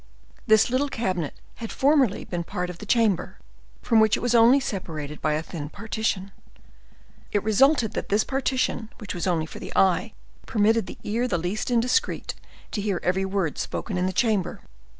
This little cabinet had formerly been part of the chamber, from which it was only separated by a thin partition. It resulted that this partition, which was only for the eye, permitted the ear the least indiscreet to hear every word spoken in the chamber.